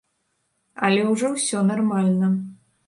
Але ўжо ўсё нармальна.